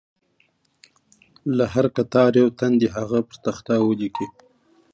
له هر کتار یو تن دې هغه پر تخته ولیکي.